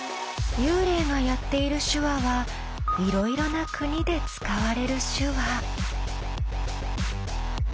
幽霊がやっている手話はいろいろな国で使われる手話。